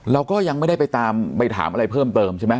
เราก็ยังไม่ได้ไปตามไปถามอะไรเพิ่มเติมใช่ไหม